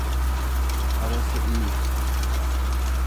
Parası iyi.